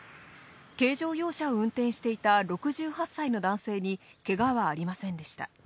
軽乗用車を運転していた６８歳の男性に、けがはありませんでした。